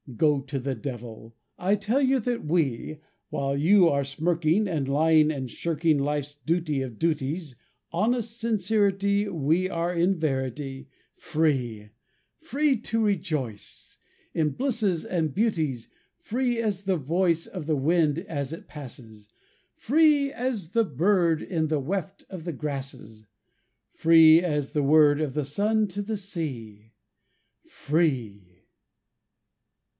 Go to the Devil! I tell you that we, While you are smirking And lying and shirking life's duty of duties, Honest sincerity, We are in verity Free! Free to rejoice In blisses and beauties! Free as the voice Of the wind as it passes! Free as the bird In the weft of the grasses! Free as the word Of the sun to the sea Free!